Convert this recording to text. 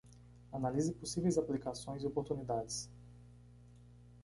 Analise possíveis aplicações e oportunidades